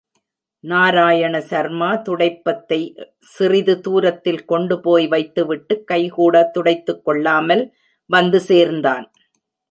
நாராயண சர்மா துடைப்பத்தைச் சிறிது தூரத்தில் கொண்டுபோய் வைத்துவிட்டு, கைக்கூட துடைத்துக் கொள்ளாமல் வந்து சேர்ந்தான்.